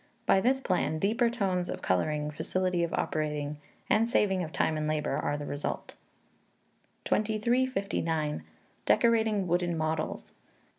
By this plan, deeper tones of colouring, facility of operating, and saving of time and labour, are the result. 2359. Decorating Wooden Models.